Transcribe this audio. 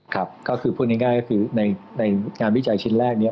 ครับก็คือพูดง่ายก็คือในงานวิจัยชิ้นแรกนี้